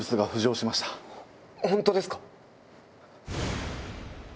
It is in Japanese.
本当ですか？